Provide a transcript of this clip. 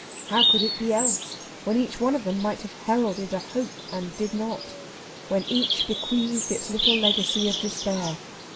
How could it be else, when each one of them might have heralded a hope and did not; when each bequeathed its little legacy of despair?